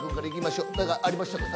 「何かありましたか？